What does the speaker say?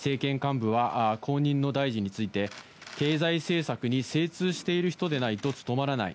政権幹部は後任の大臣について経済政策に精通している人でないと務まらない。